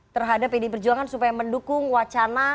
terhadap pd perjuangan supaya mendukung wacana